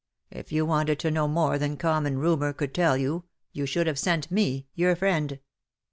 If you wanted to know more than common rumour could tell you, you should have sent me— your friend.